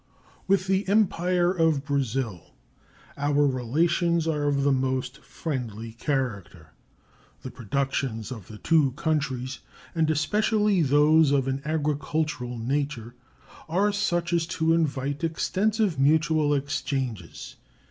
With the Empire of Brazil our relations are of the most friendly character. The productions of the two countries, and especially those of an agricultural nature, are such as to invite extensive mutual exchanges.